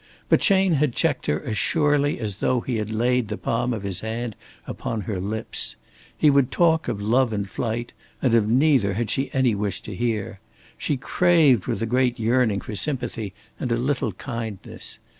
But Chayne had checked her as surely as though he had laid the palm of his hand upon her lips. He would talk of love and flight, and of neither had she any wish to hear. She craved with a great yearning for sympathy and a little kindness.